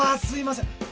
すいません。